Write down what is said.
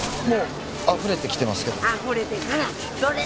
もうあふれてきてますけど。